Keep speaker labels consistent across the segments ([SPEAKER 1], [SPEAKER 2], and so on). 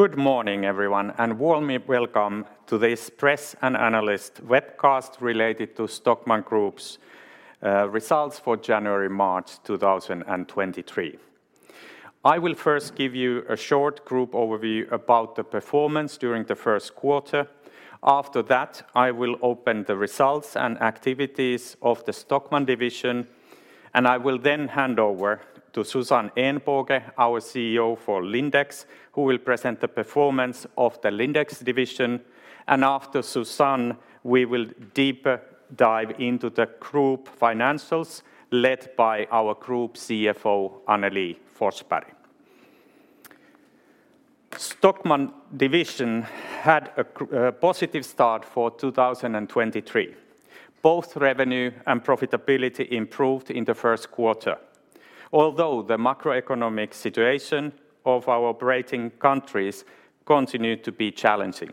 [SPEAKER 1] Good morning everyone, and warmly welcome to this press and analyst webcast related to Stockmann Group's results for January, March 2023. I will first give you a short group overview about the performance during the first quarter. After that, I will open the results and activities of the Stockmann division, and I will then hand over to Susanne Ehnbåge, our CEO for Lindex, who will present the performance of the Lindex division. After Susanne, we will deeper dive into the group financials led by our group CFO, Annelie Forsberg. Stockmann division had a positive start for 2023. Both revenue and profitability improved in the first quarter, although the macroeconomic situation of our operating countries continued to be challenging.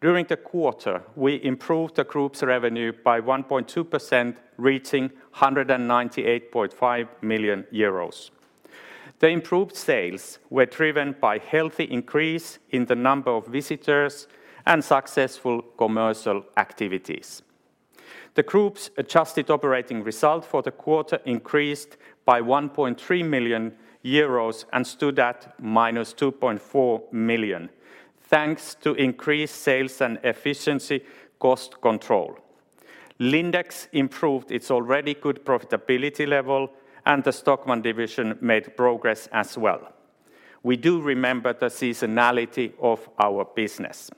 [SPEAKER 1] During the quarter, we improved the group's revenue by 1.2% reaching 198.5 million euros. The improved sales were driven by healthy increase in the number of visitors and successful commercial activities. The group's adjusted operating result for the quarter increased by 1.3 million euros and stood at -2.4 million thanks to increased sales and efficiency cost control. Lindex improved its already good profitability level and the Stockmann division made progress as well. We do remember the seasonality of our business.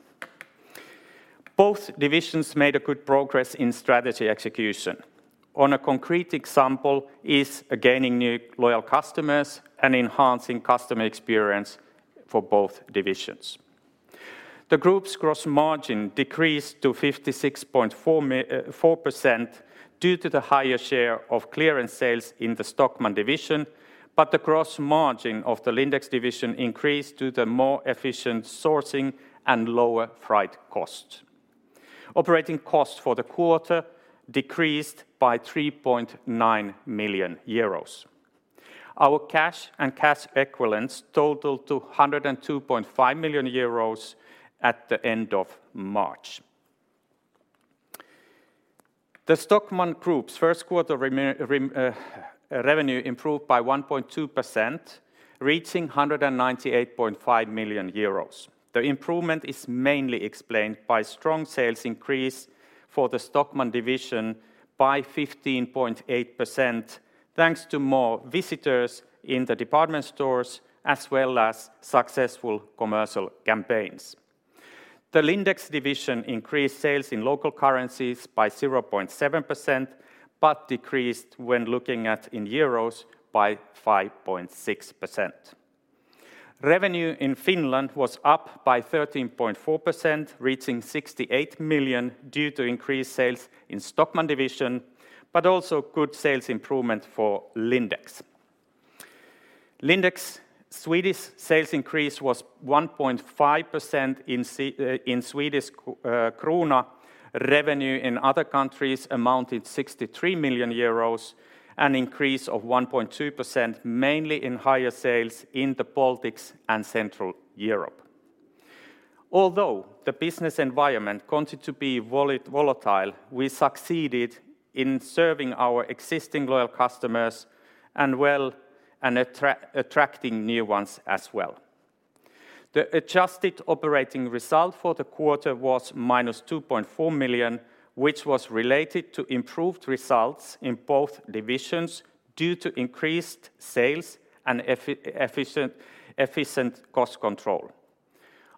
[SPEAKER 1] Both divisions made good progress in strategy execution. On a concrete example is gaining new loyal customers and enhancing customer experience for both divisions. The group's gross margin decreased to 56.4% due to the higher share of clearance sales in the Stockmann division, but the gross margin of the Lindex division increased due to more efficient sourcing and lower freight costs. Operating costs for the quarter decreased by 3.9 million euros. Our cash and cash equivalents totaled to 102.5 million euros at the end of March. The Stockmann Group's first quarter revenue improved by 1.2% reaching 198.5 million euros. The improvement is mainly explained by strong sales increase for the Stockmann division by 15.8% thanks to more visitors in the department stores as well as successful commercial campaigns. The Lindex division increased sales in local currencies by 0.7%, but decreased when looking at in euros by 5.6%. Revenue in Finland was up by 13.4% reaching 68 million due to increased sales in Stockmann division, but also good sales improvement for Lindex. Lindex Swedish sales increase was 1.5% in Swedish krona. Revenue in other countries amounted 63 million euros, an increase of 1.2% mainly in higher sales in the Baltics and Central Europe. Although the business environment continued to be volatile, we succeeded in serving our existing loyal customers and well and attracting new ones as well. The adjusted operating result for the quarter was minus 2.4 million, which was related to improved results in both divisions due to increased sales and efficient cost control.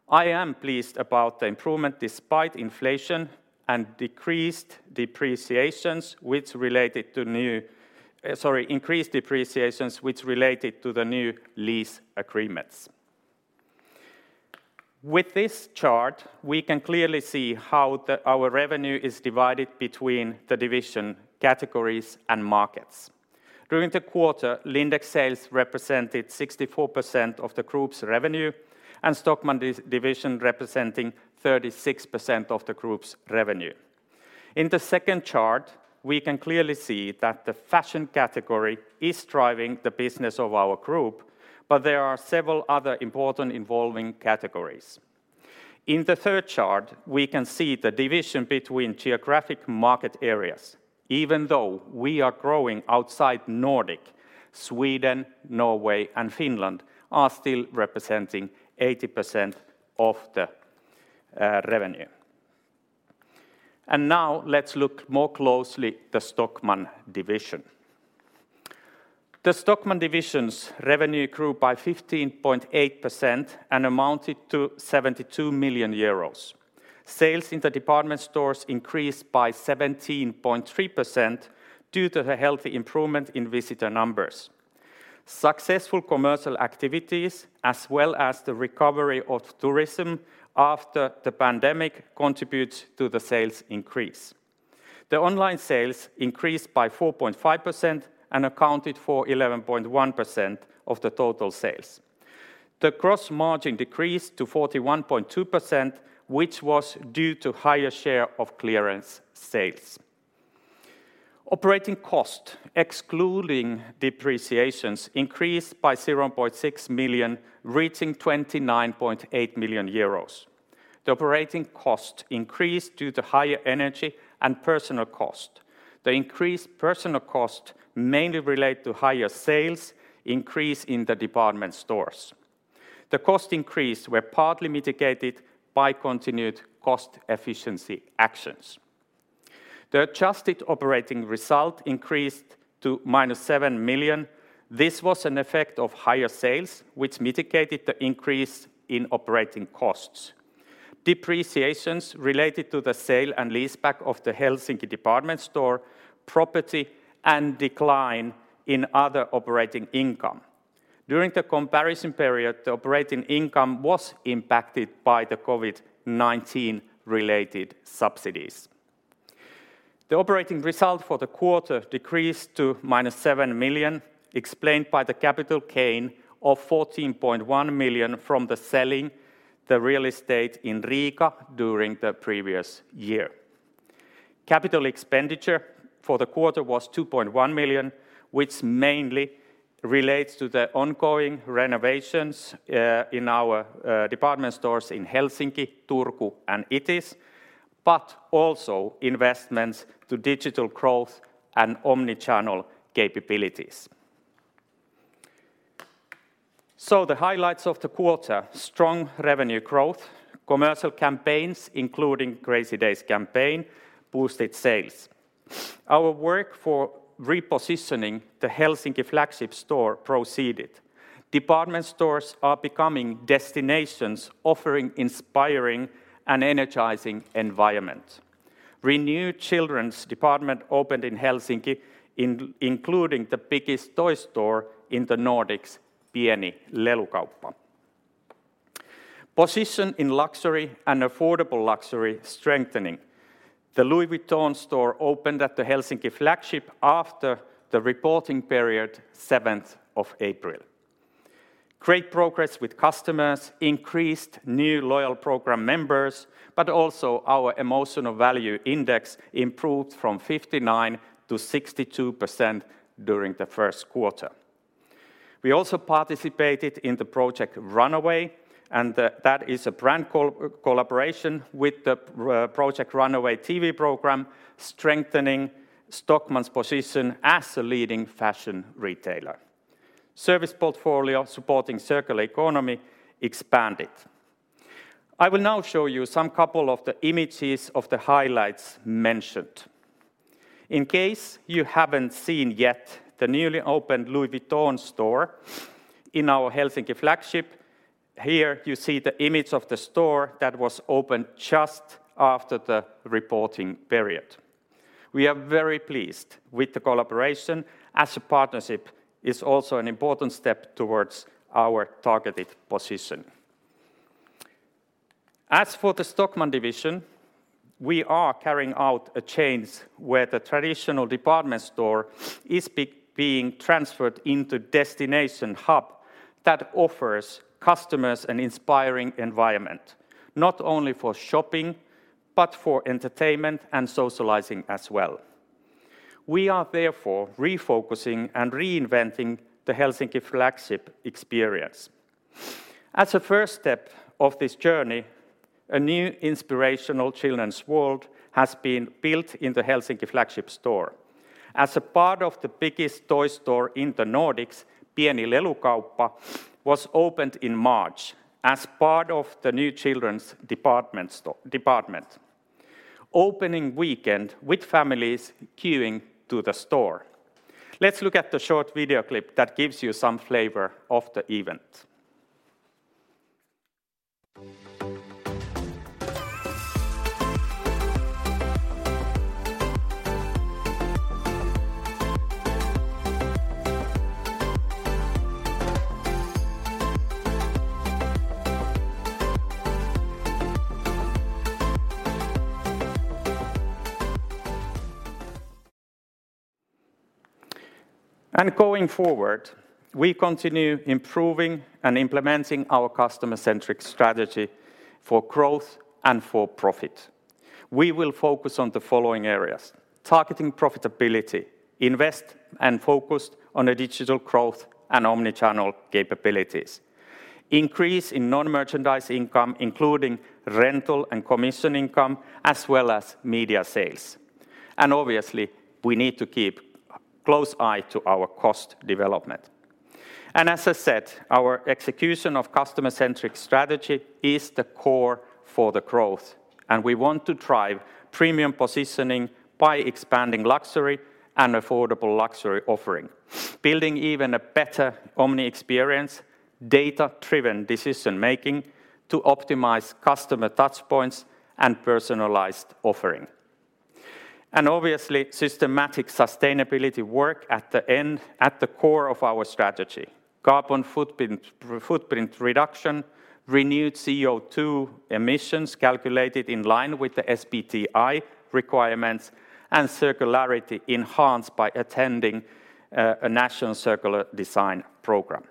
[SPEAKER 1] I am pleased about the improvement despite inflation and decreased depreciations, which related to new. Sorry, increased depreciations which related to the new lease agreements. With this chart, we can clearly see how the our revenue is divided between the division categories and markets. During the quarter, Lindex sales represented 64% of the group's revenue and Stockmann division representing 36% of the group's revenue. In the second chart, we can clearly see that the fashion category is driving the business of our group, but there are several other important involving categories. In the third chart, we can see the division between geographic market areas. Even though we are growing outside Nordic, Sweden, Norway, and Finland are still representing 80% of the revenue. Now let's look more closely the Stockmann division. The Stockmann division's revenue grew by 15.8% and amounted to 72 million euros. Sales in the department stores increased by 17.3% due to the healthy improvement in visitor numbers. Successful commercial activities as well as the recovery of tourism after the pandemic contributes to the sales increase. The online sales increased by 4.5% and accounted for 11.1% of the total sales. The gross margin decreased to 41.2%, which was due to higher share of clearance sales. Operating cost, excluding depreciations, increased by 0.6 million, reaching 29.8 million euros. The operating cost increased due to higher energy and personal cost. The increased personal cost mainly relate to higher sales increase in the department stores. The cost increase were partly mitigated by continued cost efficiency actions. The adjusted operating result increased to -7 million. This was an effect of higher sales, which mitigated the increase in operating costs. Depreciations related to the sale and leaseback of the Helsinki department store property and decline in other operating income. During the comparison period, the operating income was impacted by the COVID-19 related subsidies. The operating result for the quarter decreased to -7 million, explained by the capital gain of 14.1 million from the selling the real estate in Riga during the previous year. Capital expenditure for the quarter was 2.1 million, which mainly relates to the ongoing renovations in our department stores in Helsinki, Turku, and Itis, also investments to digital growth and omnichannel capabilities. The highlights of the quarter: strong revenue growth, commercial campaigns, including Crazy Days campaign, boosted sales. Our work for repositioning the Helsinki flagship store proceeded. Department stores are becoming destinations offering inspiring and energizing environment. Renewed children's department opened in Helsinki, including the biggest toy store in the Nordics, Pieni Lelukauppa. Position in luxury and affordable luxury strengthening. The Louis Vuitton store opened at the Helsinki flagship after the reporting period 7th of April. Great progress with customers, increased new loyal program members, also our emotional value index improved from 59%-62% during the first quarter. We also participated in the Project Runway, that is a brand collaboration with the Project Runway TV program, strengthening Stockmann's position as a leading fashion retailer. Service portfolio supporting circular economy expanded. I will now show you some couple of the images of the highlights mentioned. In case you haven't seen yet the newly opened Louis Vuitton store in our Helsinki flagship, here you see the image of the store that was opened just after the reporting period. We are very pleased with the collaboration, as a partnership is also an important step towards our targeted position. As for the Stockmann division, we are carrying out a change where the traditional department store is being transferred into destination hub that offers customers an inspiring environment, not only for shopping, but for entertainment and socializing as well. We are therefore refocusing and reinventing the Helsinki flagship experience. As a first step of this journey, a new inspirational children's world has been built in the Helsinki flagship store. As a part of the biggest toy store in the Nordics, Pieni Lelukauppa was opened in March as part of the new children's department. Opening weekend with families queuing to the store. Let's look at the short video clip that gives you some flavor of the event. Going forward, we continue improving and implementing our customer-centric strategy for growth and for profit. We will focus on the following areas: targeting profitability, invest and focus on the digital growth and omnichannel capabilities, increase in non-merchandise income, including rental and commission income, as well as media sales. Obviously, we need to keep a close eye to our cost development. As I said, our execution of customer-centric strategy is the core for the growth, and we want to drive premium positioning by expanding luxury and affordable luxury offering, building even a better omni-experience, data-driven decision-making to optimize customer touch points, and personalized offering. Obviously, systematic sustainability work at the end, at the core of our strategy. Carbon footprint reduction, renewed CO₂ emissions calculated in line with the SBTi requirements, and circularity enhanced by attending a national circular design program.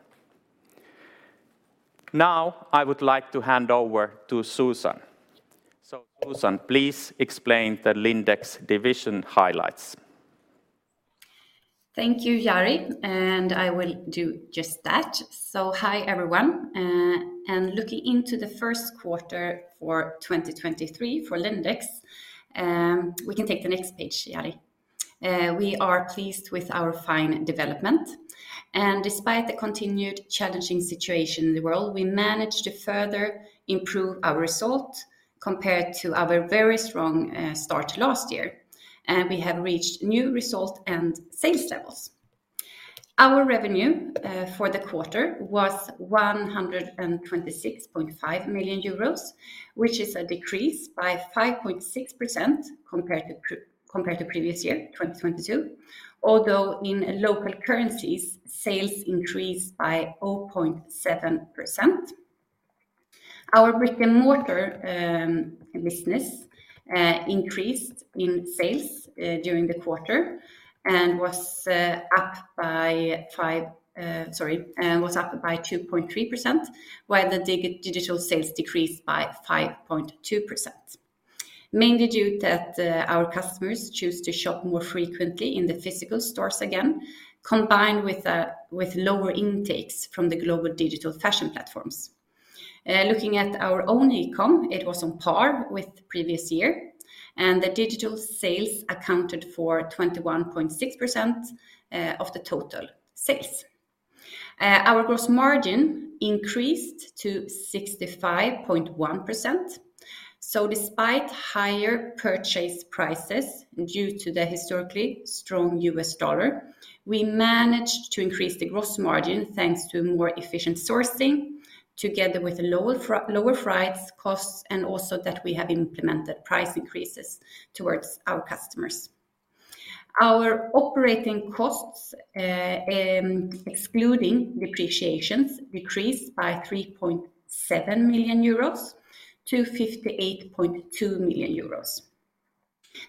[SPEAKER 1] Now I would like to hand over to Susanne. Susanne, please explain the Lindex division highlights.
[SPEAKER 2] Thank you, Jari, I will do just that. Hi, everyone, and looking into the first quarter for 2023 for Lindex, we can take the next page, Jari. We are pleased with our fine development. Despite the continued challenging situation in the world, we managed to further improve our result compared to our very strong start last year. We have reached new result and sales levels. Our revenue for the quarter was 126.5 million euros, which is a decrease by 5.6% compared to previous year, 2022. Although in local currencies, sales increased by 0.7%. Our brick-and-mortar business increased in sales during the quarter and was up by five... was up by 2.3%, while digital sales decreased by 5.2%, mainly due that our customers choose to shop more frequently in the physical stores again, combined with lower intakes from the global digital fashion platforms. Looking at our own e-com, it was on par with previous year, and the digital sales accounted for 21.6% of the total sales. Our gross margin increased to 65.1%. Despite higher purchase prices due to the historically strong U.S. dollar, we managed to increase the gross margin thanks to more efficient sourcing together with lower freight costs and also that we have implemented price increases towards our customers. Our operating costs, excluding depreciations, decreased by 3.7 million-58.2 million euros.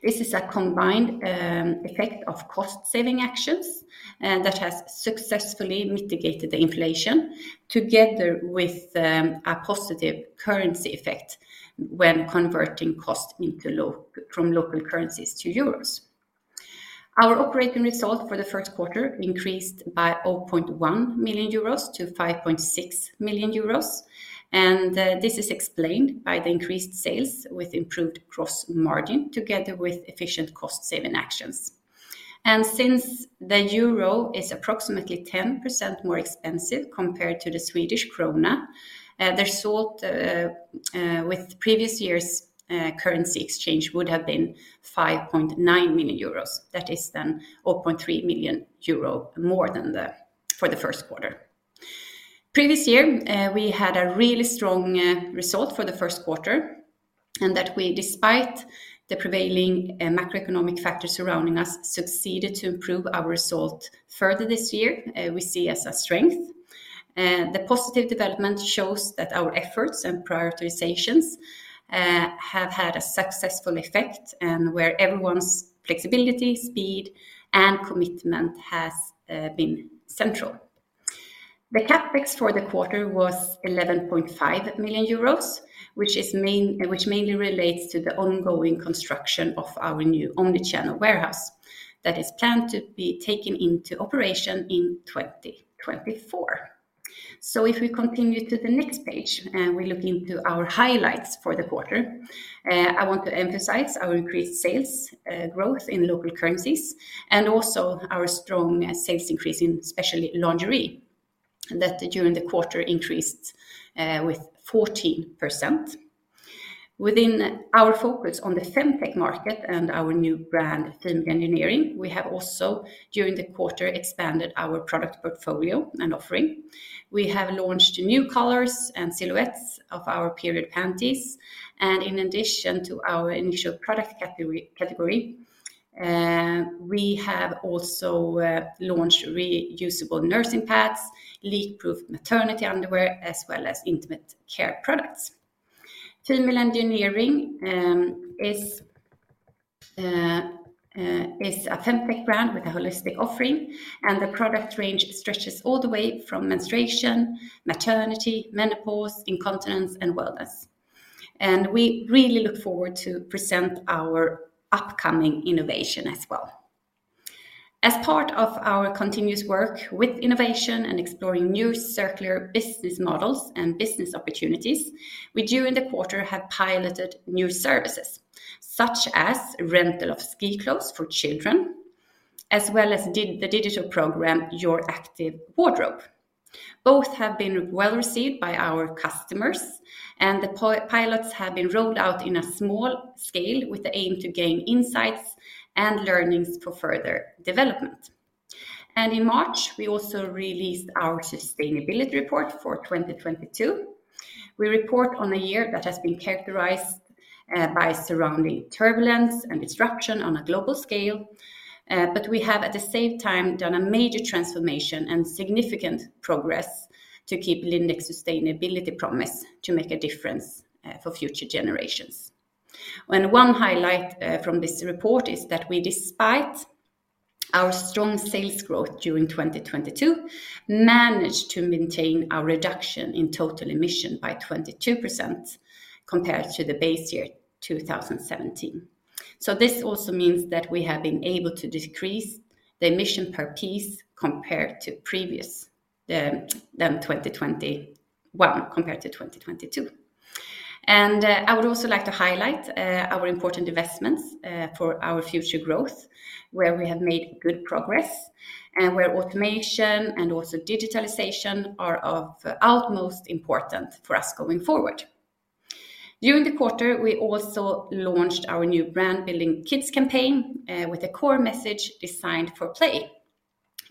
[SPEAKER 2] This is a combined effect of cost saving actions that has successfully mitigated the inflation together with a positive currency effect when converting cost from local currencies to euros. Our operating result for the first quarter increased by 0.1 million-5.6 million euros. This is explained by the increased sales with improved gross margin together with efficient cost saving actions. Since the euro is approximately 10% more expensive compared to the Swedish krona, the result with previous year's currency exchange would have been 5.9 million euros. That is then 0.3 million euro more than the, for the first quarter. Previous year, we had a really strong result for the first quarter, and that we, despite the prevailing macroeconomic factors surrounding us, succeeded to improve our result further this year, we see as a strength. The positive development shows that our efforts and prioritizations have had a successful effect and where everyone's flexibility, speed, and commitment has been central. The CapEx for the quarter was 11.5 million euros, which mainly relates to the ongoing construction of our new omnichannel warehouse that is planned to be taken into operation in 2024. If we continue to the next page and we look into our highlights for the quarter, I want to emphasize our increased sales growth in local currencies and also our strong sales increase in especially lingerie, that during the quarter increased with 14%. Within our focus on the femtech market and our new brand, Female Engineering, we have also during the quarter expanded our product portfolio and offering. We have launched new colors and silhouettes of our period panties and in addition to our initial product category, we have also launched reusable nursing pads, leak-proof maternity underwear, as well as intimate care products. Female Engineering is a femtech brand with a holistic offering, and the product range stretches all the way from menstruation, maternity, menopause, incontinence, and wellness. We really look forward to present our upcoming innovation as well. As part of our continuous work with innovation and exploring new circular business models and business opportunities, we during the quarter have piloted new services, such as rental of ski clothes for children, as well as the digital program, Your Active Wardrobe. Both have been well-received by our customers, and the pilots have been rolled out in a small scale with the aim to gain insights and learnings for further development. In March, we also released our sustainability report for 2022. We report on a year that has been characterized by surrounding turbulence and disruption on a global scale, but we have at the same time done a major transformation and significant progress to keep Lindex sustainability promise to make a difference for future generations. One highlight from this report is that we despite Our strong sales growth during 2022 managed to maintain our reduction in total emission by 22% compared to the base year 2017. This also means that we have been able to decrease the emission per piece compared to previous, than 2021, compared to 2022. I would also like to highlight our important investments for our future growth, where we have made good progress and where automation and also digitalization are of utmost importance for us going forward. During the quarter, we also launched our new brand-building kids campaign with a core message designed for play.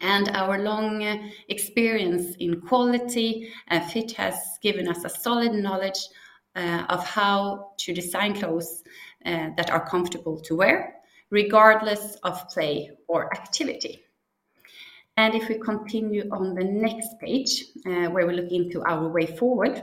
[SPEAKER 2] Our long experience in quality and fit has given us a solid knowledge of how to design clothes that are comfortable to wear regardless of play or activity. If we continue on the next page, where we look into our way forward,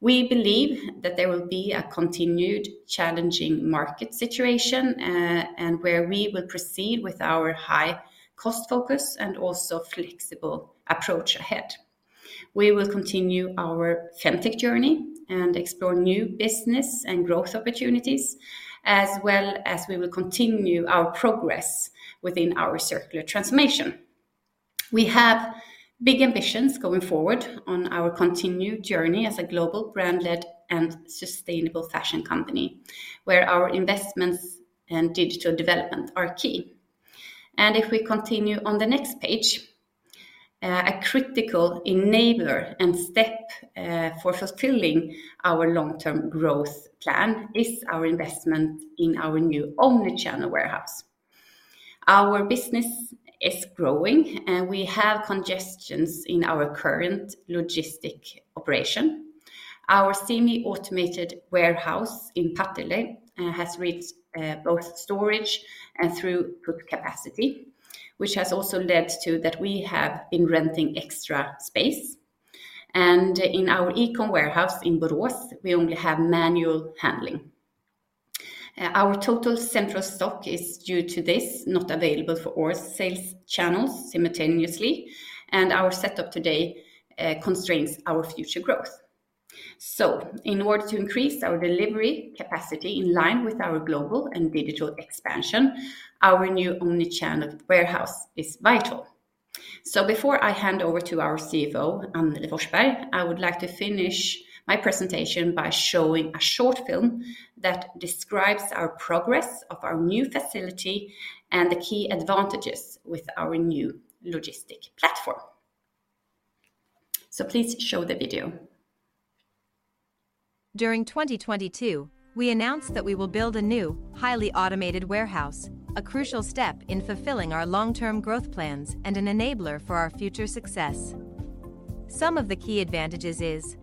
[SPEAKER 2] we believe that there will be a continued challenging market situation, and where we will proceed with our high cost focus and also flexible approach ahead. We will continue our Femtech journey and explore new business and growth opportunities, as well as we will continue our progress within our circular transformation. We have big ambitions going forward on our continued journey as a global brand-led and sustainable fashion company, where our investments and digital development are key. If we continue on the next page, a critical enabler and step for fulfilling our long-term growth plan is our investment in our new omnichannel warehouse. Our business is growing, and we have congestions in our current logistic operation. Our semi-automated warehouse in Partille has reached both storage and throughput capacity, which has also led to that we have been renting extra space. In our e-com warehouse in Borås, we only have manual handling. Our total central stock is due to this not available for all sales channels simultaneously, and our setup today constrains our future growth. In order to increase our delivery capacity in line with our global and digital expansion, our new omnichannel warehouse is vital. Before I hand over to our CFO, Annelie Forsberg, I would like to finish my presentation by showing a short film that describes our progress of our new facility and the key advantages with our new logistics platform. Please show the video.
[SPEAKER 3] During 2022, we announced that we will build a new, highly automated warehouse, a crucial step in fulfilling our long-term growth plans and an enabler for our future success. Some of the key advantages is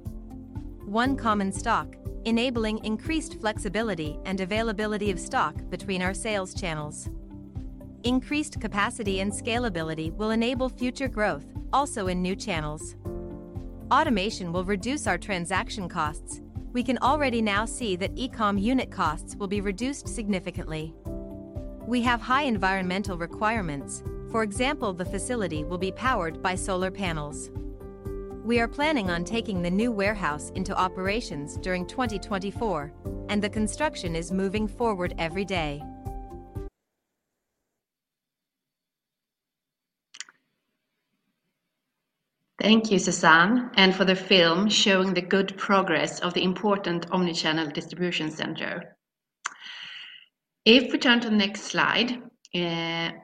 [SPEAKER 3] 1 common stock enabling increased flexibility and availability of stock between our sales channels. Increased capacity and scalability will enable future growth, also in new channels. Automation will reduce our transaction costs. We can already now see that e-com unit costs will be reduced significantly. We have high environmental requirements. For example, the facility will be powered by solar panels. We are planning on taking the new warehouse into operations during 2024, and the construction is moving forward every day.
[SPEAKER 4] Thank you, Susanne. For the film showing the good progress of the important omnichannel distribution center. If we turn to the next slide,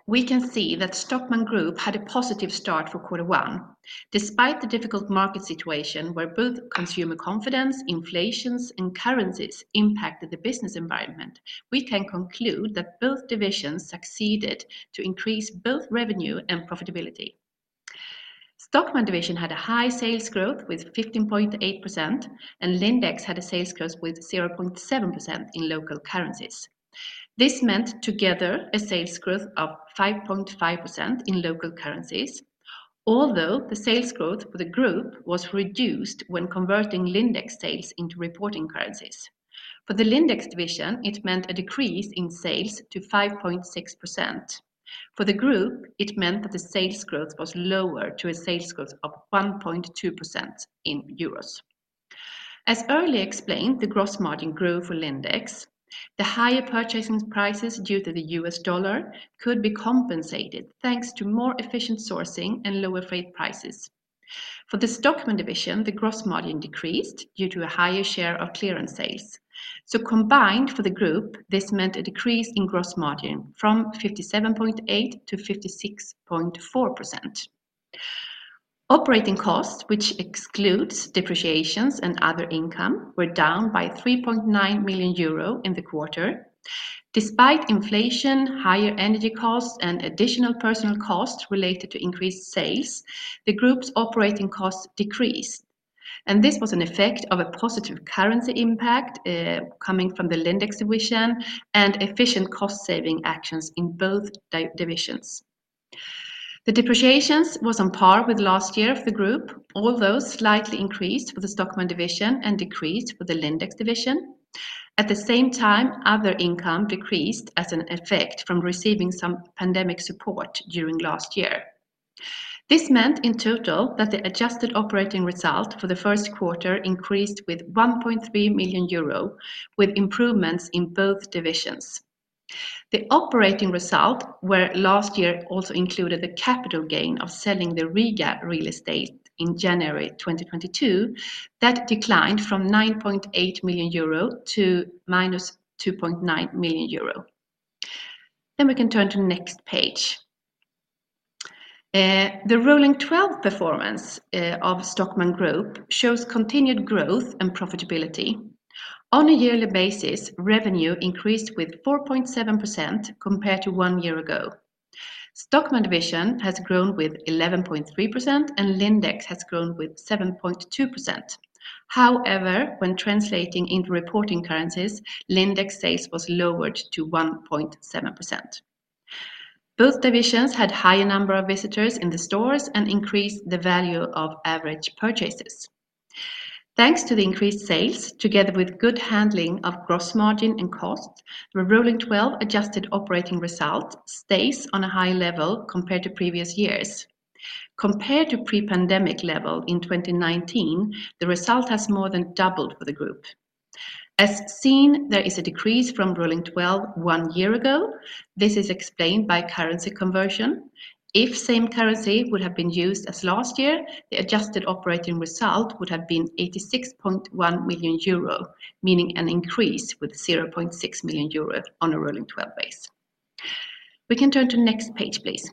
[SPEAKER 4] we can see that Lindex Group had a positive start for quarter one. Despite the difficult market situation where both consumer confidence, inflations, and currencies impacted the business environment, we can conclude that both divisions succeeded to increase both revenue and profitability. Stockmann division had a high sales growth with 15.8%, and Lindex had a sales growth with 0.7% in local currencies. This meant together a sales growth of 5.5% in local currencies. Although the sales growth for the group was reduced when converting Lindex sales into reporting currencies. For the Lindex division, it meant a decrease in sales to 5.6%. For the group, it meant that the sales growth was lower to a sales growth of 1.2% in EUR. As earlier explained, the gross margin grew for Lindex. The higher purchasing prices due to the U.S. dollar could be compensated thanks to more efficient sourcing and lower freight prices. For the Stockmann division, the gross margin decreased due to a higher share of clearance sales. Combined for the group, this meant a decrease in gross margin from 57.8%-56.4%. Operating costs, which excludes depreciations and other income, were down by 3.9 million euro in the quarter. Despite inflation, higher energy costs, and additional personal costs related to increased sales, the group's operating costs decreased. This was an effect of a positive currency impact coming from the Lindex division and efficient cost-saving actions in both divisions. The depreciations was on par with last year of the group, although slightly increased for the Stockmann division and decreased for the Lindex division. At the same time, other income decreased as an effect from receiving some pandemic support during last year. This meant in total that the adjusted operating result for the first quarter increased with 1.3 million euro with improvements in both divisions. The operating result, where last year also included the capital gain of selling the Riga real estate in January 2022, that declined from 9.8 million euro-to -2.9 million euro. We can turn to next page. The rolling 12 performance of Stockmann Group shows continued growth and profitability. On a yearly basis, revenue increased with 4.7% compared to one year ago. Stockmann division has grown with 11.3% and Lindex has grown with 7.2%. However, when translating into reporting currencies, Lindex sales was lowered to 1.7%. Both divisions had higher number of visitors in the stores and increased the value of average purchases. Thanks to the increased sales together with good handling of gross margin and costs, the rolling 12 adjusted operating result stays on a high level compared to previous years. Compared to pre-pandemic level in 2019, the result has more than doubled for the group. As seen, there is a decrease from rolling 12 one year ago. This is explained by currency conversion. If same currency would have been used as last year, the adjusted operating result would have been 86.1 million euro, meaning an increase with 0.6 million euro on a rolling 12 base. We can turn to next page, please.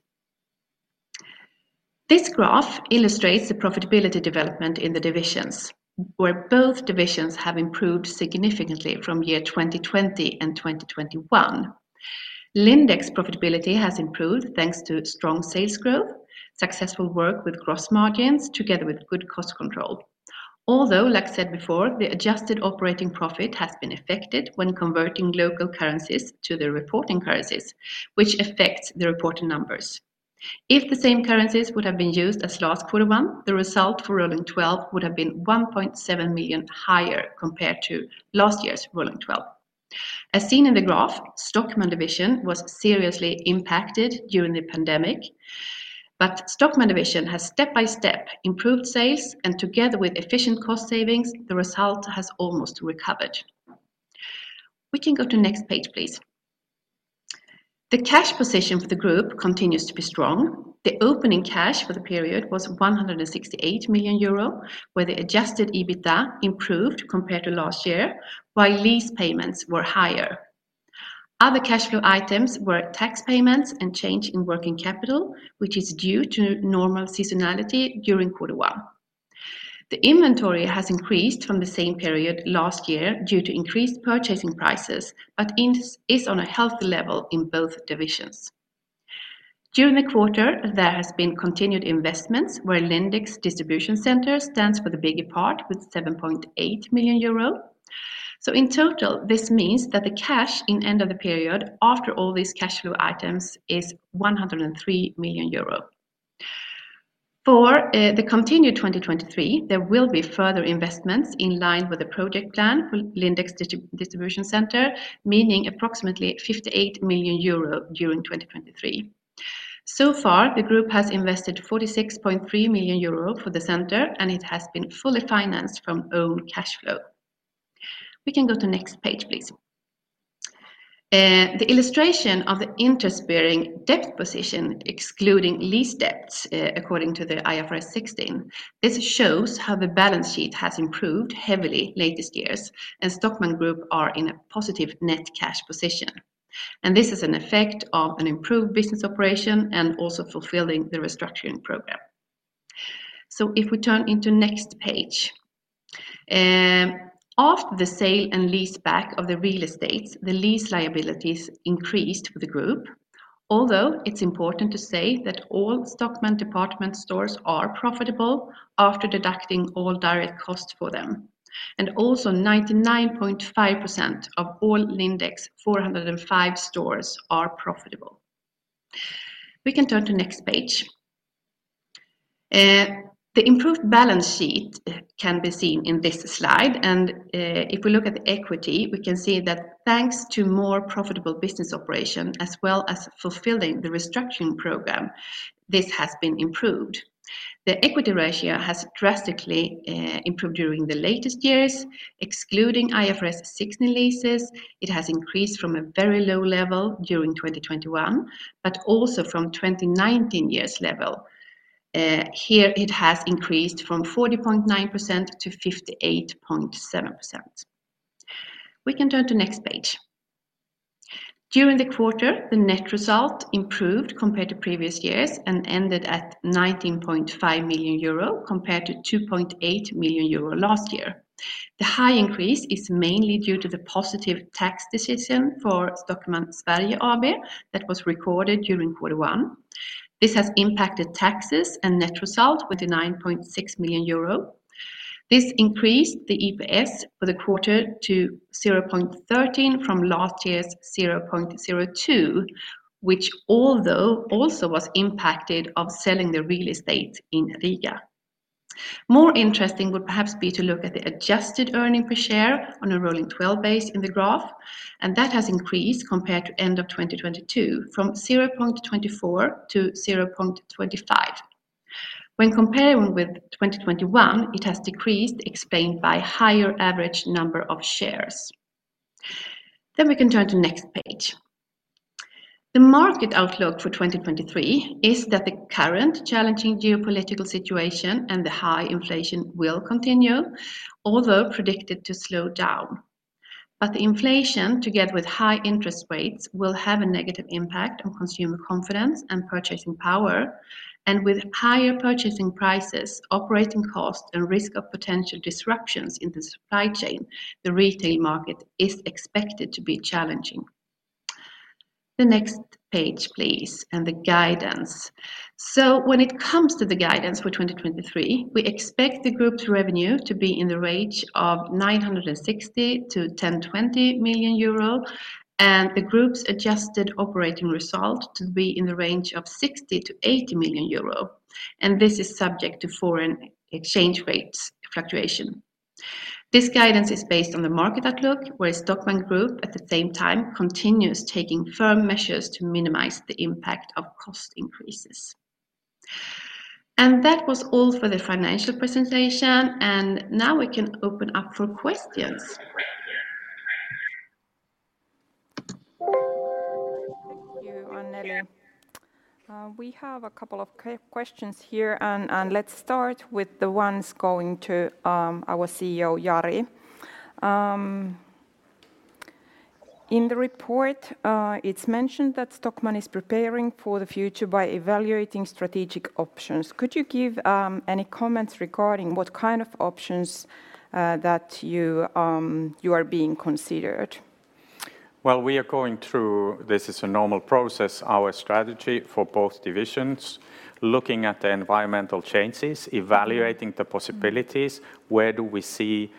[SPEAKER 4] This graph illustrates the profitability development in the divisions, where both divisions have improved significantly from year 2020 and 2021. Lindex profitability has improved thanks to strong sales growth, successful work with gross margins together with good cost control. Like said before, the adjusted operating profit has been affected when converting local currencies to the reporting currencies, which affects the reporting numbers. If the same currencies would have been used as last Quarter 1, the result for rolling 12 would have been 1.7 million higher compared to last year's rolling 12. As seen in the graph, Stockmann division was seriously impacted during the pandemic. Stockmann division has step by step improved sales, and together with efficient cost savings, the result has almost recovered. We can go to next page, please. The cash position for the group continues to be strong. The opening cash for the period was 168 million euro, where the adjusted EBITDA improved compared to last year, while lease payments were higher. Other cash flow items were tax payments and change in working capital, which is due to normal seasonality during Q1. The inventory has increased from the same period last year due to increased purchasing prices, but is on a healthy level in both divisions. During the quarter, there has been continued investments where Lindex distribution center stands for the bigger part with 7.8 million euro. In total, this means that the cash in end of the period after all these cash flow items is 103 million euro. For the continued 2023, there will be further investments in line with the project plan for Lindex digi- distribution center, meaning approximately 58 million euro during 2023. So far, the group has invested 46.3 million euro for the center, and it has been fully financed from own cash flow. We can go to next page, please. The illustration of the interest-bearing debt position excluding lease debts, according to the IFRS 16, this shows how the balance sheet has improved heavily latest years, and Stockmann Group are in a positive net cash position. This is an effect of an improved business operation and also fulfilling the restructuring program. If we turn into next page. After the sale and leaseback of the real estates, the lease liabilities increased for the group. Although it's important to say that all Stockmann department stores are profitable after deducting all direct costs for them. 99.5% of all Lindex 405 stores are profitable. We can turn to next page. The improved balance sheet can be seen in this slide. If we look at the equity, we can see that thanks to more profitable business operation as well as fulfilling the restructuring program, this has been improved. The equity ratio has drastically improved during the latest years, excluding IFRS 16 leases. It has increased from a very low level during 2021, but also from 2019 years level. Here it has increased from 40.9%-58.7%. We can turn to next page. During the quarter, the net result improved compared to previous years and ended at 19.5 million euro compared to 2.8 million euro last year. The high increase is mainly due to the positive tax decision for Stockmann Sverige AB that was recorded during Q1. This has impacted taxes and net result with 9.6 million euro. This increased the EPS for the quarter to 0.13 from last year's 0.02, which although also was impacted of selling the real estate in Riga. More interesting would perhaps be to look at the adjusted earning per share on a rolling 12 base in the graph. That has increased compared to end of 2022 from 0.24-0.25. When comparing with 2021, it has decreased explained by higher average number of shares. We can turn to next page. The market outlook for 2023 is that the current challenging geopolitical situation and the high inflation will continue, although predicted to slow down. The inflation together with high interest rates will have a negative impact on consumer confidence and purchasing power. With higher purchasing prices, operating costs, and risk of potential disruptions in the supply chain, the retail market is expected to be challenging. The next page, please, and the guidance. When it comes to the guidance for 2023, we expect the group's revenue to be in the range of 960 million-1,020 million euro, and the group's adjusted operating result to be in the range of 60 million-80 million euro, and this is subject to foreign exchange rates fluctuation. This guidance is based on the market outlook, whereas Stockmann Group at the same time continues taking firm measures to minimize the impact of cost increases. That was all for the financial presentation, and now we can open up for questions.
[SPEAKER 5] Thank you, Anneli. We have a couple of questions here and let's start with the ones going to our CEO, Jari. In the report, it's mentioned that Stockmann is preparing for the future by evaluating strategic options. Could you give any comments regarding what kind of options that you are being considered?
[SPEAKER 1] We are going through, this is a normal process, our strategy for both divisions, looking at the environmental changes, evaluating the possibilities, where do we see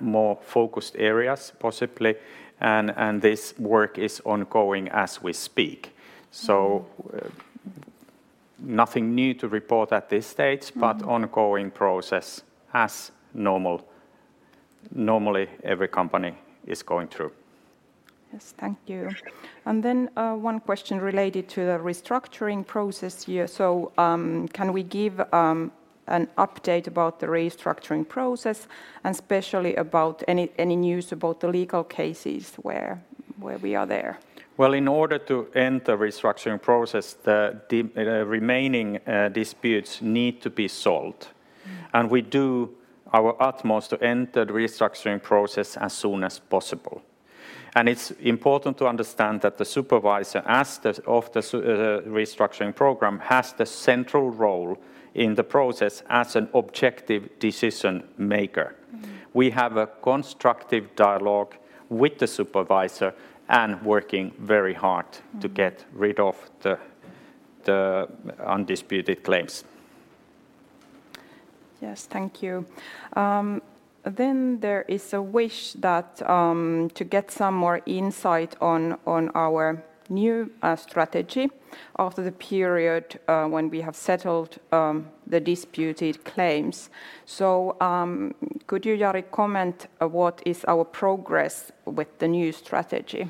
[SPEAKER 1] more focused areas possibly, and this work is ongoing as we speak. Nothing new to report at this stage, but ongoing process as normally every company is going through.
[SPEAKER 5] Yes. Thank you. One question related to the restructuring process here. Can we give an update about the restructuring process, and especially about any news about the legal cases where we are there?
[SPEAKER 1] In order to end the restructuring process, the remaining disputes need to be solved. We do our utmost to end the restructuring process as soon as possible. It's important to understand that the supervisor asked that of the restructuring program has the central role in the process as an objective decision maker. We have a constructive dialogue with the supervisor and working very hard to get rid of the undisputed claims.
[SPEAKER 5] Yes. Thank you. There is a wish that to get some more insight on our new strategy after the period, when we have settled the disputed claims. Could you, Jari, comment what is our progress with the new strategy?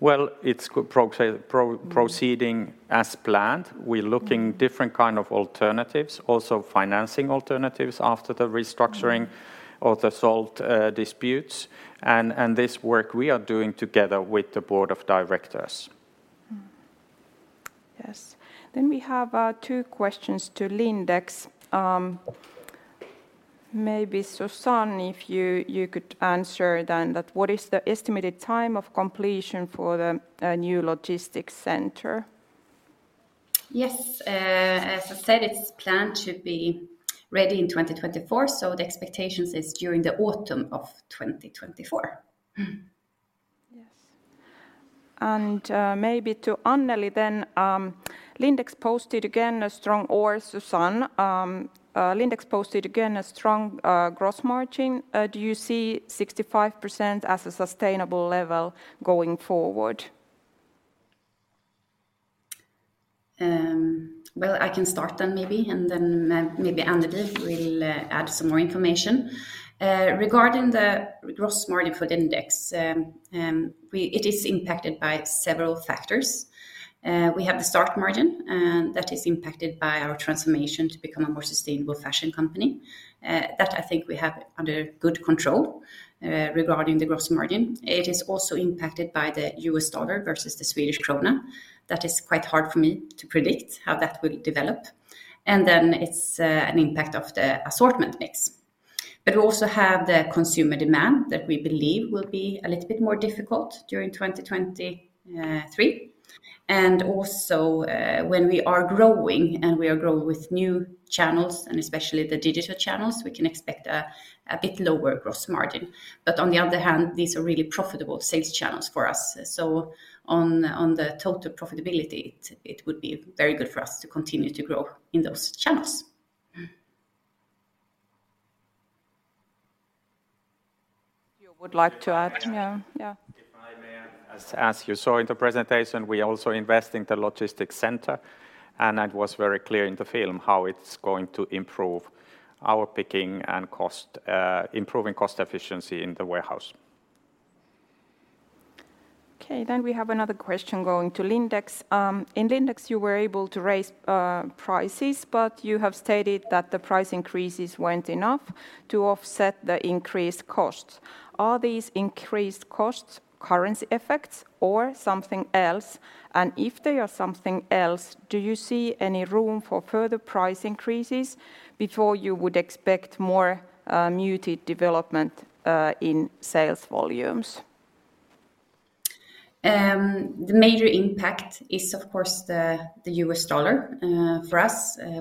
[SPEAKER 1] Well, it's proceeding as planned. We're looking different kind of alternatives, also financing alternatives after the restructuring of the solved disputes. This work we are doing together with the board of directors.
[SPEAKER 5] Mm-hmm. Yes. We have two questions to Lindex. Maybe Susanne, if you could answer then that what is the estimated time of completion for the new logistics center?
[SPEAKER 2] Yes. As I said, it's planned to be ready in 2024. The expectations is during the autumn of 2024.
[SPEAKER 5] Yes. Maybe to Anneli then, or Susanne, Lindex posted again a strong gross margin. Do you see 65% as a sustainable level going forward?
[SPEAKER 2] Well, I can start then maybe, and then maybe Anneli will add some more information. Regarding the gross margin for Lindex, it is impacted by several factors. We have the start margin, and that is impacted by our transformation to become a more sustainable fashion company. That I think we have under good control regarding the gross margin. It is also impacted by the U.S. dollar versus the Swedish krona. That is quite hard for me to predict how that will develop. It's an impact of the assortment mix. We also have the consumer demand that we believe will be a little bit more difficult during 2023.
[SPEAKER 4] Also, when we are growing, and we are growing with new channels, and especially the digital channels, we can expect a bit lower gross margin. On the other hand, these are really profitable sales channels for us. On the total profitability, it would be very good for us to continue to grow in those channels.
[SPEAKER 5] Would like to add. Yeah, yeah
[SPEAKER 1] if I may. As you saw in the presentation, we also invest in the logistics center, and it was very clear in the film how it's going to improve our picking and cost, improving cost efficiency in the warehouse
[SPEAKER 5] We have another question going to Lindex. In Lindex, you were able to raise prices, but you have stated that the price increases weren't enough to offset the increased costs. Are these increased costs currency effects or something else? If they are something else, do you see any room for further price increases before you would expect more muted development in sales volumes?
[SPEAKER 2] The major impact is, of course, the U.S. dollar for us.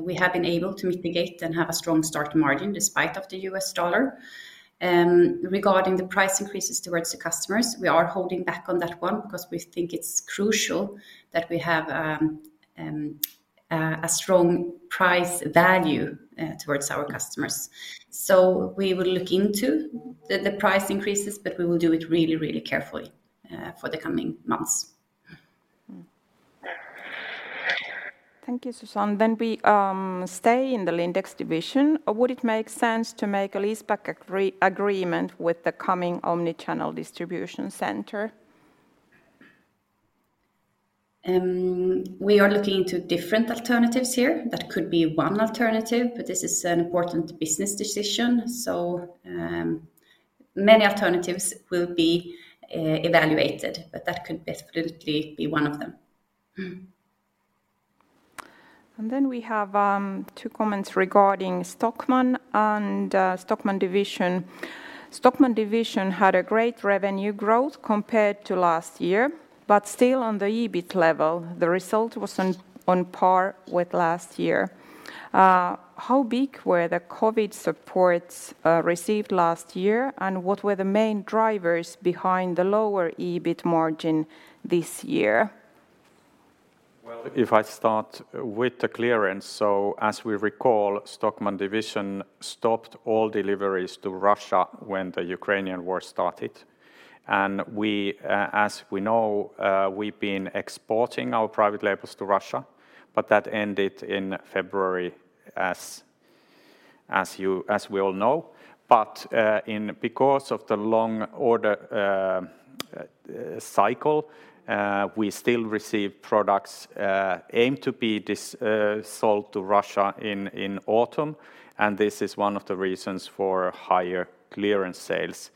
[SPEAKER 2] We have been able to mitigate and have a strong start margin despite of the U.S. dollar. Regarding the price increases towards the customers, we are holding back on that one because we think it's crucial that we have a strong price value towards our customers. We will look into the price increases, but we will do it really, really carefully for the coming months.
[SPEAKER 5] Thank you, Susanne. We stay in the Lindex division. Would it make sense to make a leaseback agreement with the coming omnichannel distribution center?
[SPEAKER 2] We are looking to different alternatives here. That could be one alternative, but this is an important business decision, so, many alternatives will be evaluated. That could absolutely be one of them.
[SPEAKER 5] Then we have two comments regarding Stockmann and Stockmann division. Stockmann division had a great revenue growth compared to last year, but still on the EBIT level, the result was on par with last year. How big were the COVID supports received last year, and what were the main drivers behind the lower EBIT margin this year?
[SPEAKER 1] If I start with the clearance, as we recall, Stockmann division stopped all deliveries to Russia when the Ukrainian war started, and we, as we know, we've been exporting our private labels to Russia, but that ended in February as we all know. Because of the long order cycle, we still receive products aimed to be sold to Russia in autumn, and this is one of the reasons for higher clearance sales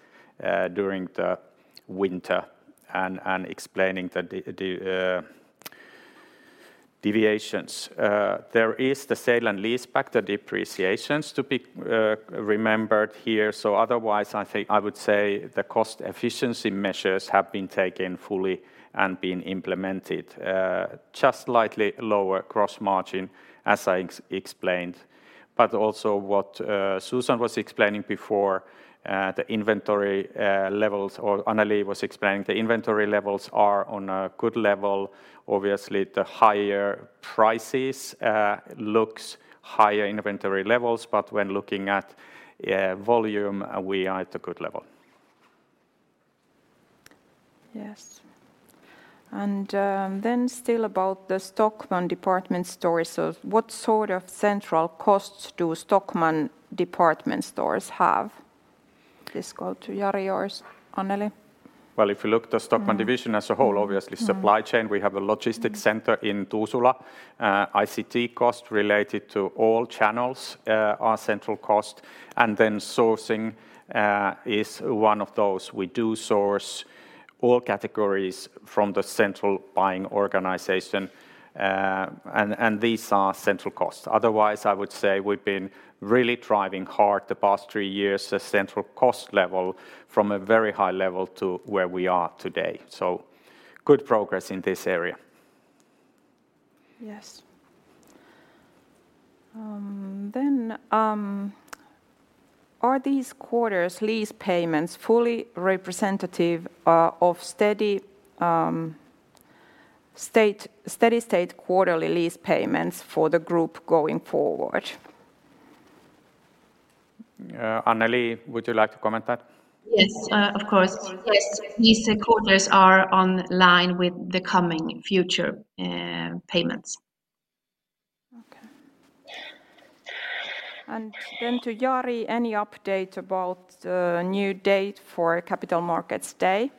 [SPEAKER 1] during the winter and explaining the deviations. There is the sale and leaseback, the depreciations to be remembered here. Otherwise, I think I would say the cost efficiency measures have been taken fully and been implemented. Just slightly lower gross margin as I explained. Also what Susanne was explaining before, the inventory levels, or Anneli was explaining, the inventory levels are on a good level. Obviously, the higher prices, looks higher inventory levels, but when looking at, volume, we are at a good level.
[SPEAKER 5] Yes. Still about the Stockmann department stores. What sort of central costs do Stockmann department stores have? This call to Jari yours, Anneli.
[SPEAKER 1] Well, if you look the Stockmann division as a whole, obviously supply chain, we have a logistics center in Tuusula. ICT cost related to all channels are central cost. Sourcing is one of those. We do source all categories from the central buying organization, and these are central costs. I would say we've been really driving hard the past three years the central cost level from a very high level to where we are today. Good progress in this area.
[SPEAKER 5] Yes. Are these quarters lease payments fully representative of steady-state quarterly lease payments for the group going forward?
[SPEAKER 1] Anneli, would you like to comment that?
[SPEAKER 2] Yes. Of course. Yes, these quarters are online with the coming future, payments.
[SPEAKER 5] Okay. To Jari, any update about new date for Capital Markets Day?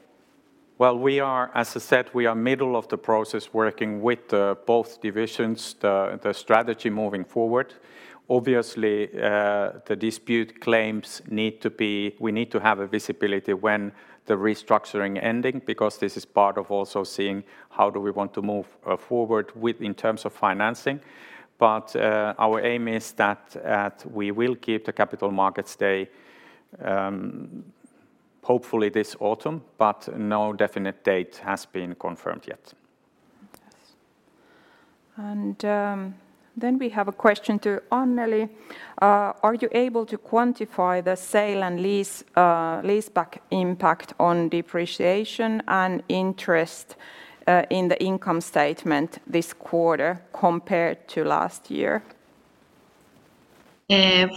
[SPEAKER 1] Well, we are, as I said, we are middle of the process working with, both divisions, the strategy moving forward. Obviously, we need to have a visibility when the restructuring ending because this is part of also seeing how do we want to move forward with in terms of financing. Our aim is that we will keep the Capital Markets Day, hopefully this autumn, but no definite date has been confirmed yet.
[SPEAKER 5] Yes. We have a question to Anneli. Are you able to quantify the sale and leaseback impact on depreciation and interest in the income statement this quarter compared to last year?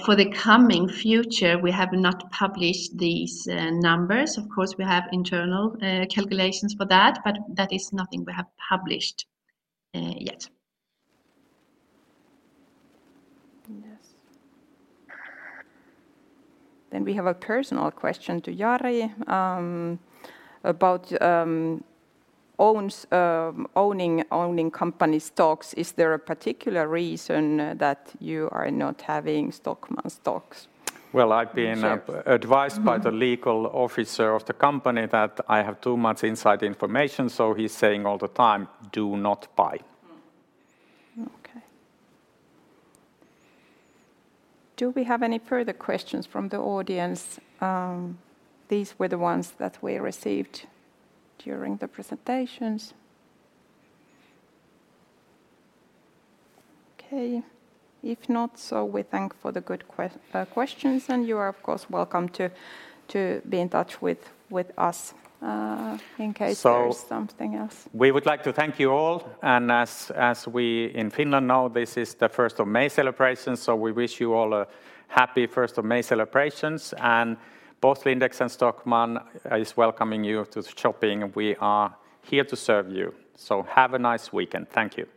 [SPEAKER 4] For the coming future, we have not published these numbers. Of course, we have internal calculations for that, but that is nothing we have published yet.
[SPEAKER 5] We have a personal question to Jari, about owning company stocks. Is there a particular reason that you are not having Stockmann stocks?
[SPEAKER 1] Well, I've been- Mm-hmm advised by the legal officer of the company that I have too much inside information, so he's saying all the time, "Do not buy.
[SPEAKER 5] Okay. Do we have any further questions from the audience? These were the ones that we received during the presentations. Okay. If not, we thank for the good questions, and you are of course welcome to be in touch with us, in case there is something else.
[SPEAKER 1] We would like to thank you all, and as we in Finland know, this is the 1st of May celebration, so we wish you all a happy 1st of May celebrations. Both Lindex and Stockmann is welcoming you to shopping. We are here to serve you. Have a nice weekend. Thank you.